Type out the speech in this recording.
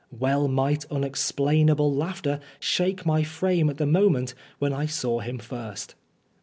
Well might unexplainable laughter shake my frame 'at the moment when I saw him first!